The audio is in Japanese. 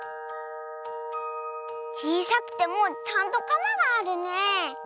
ちいさくてもちゃんとカマがあるね。